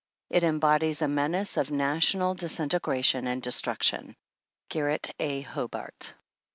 It em bodies a menace of national disintegration and destruction. Garret A. Hobart.